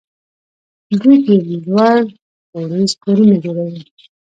دوی ډېر لوړ پوړیز کورونه جوړوي.